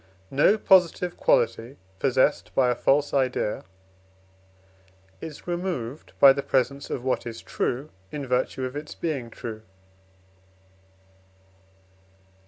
No positive quality possessed by a false idea is removed by the presence of what is true, in virtue of its being true.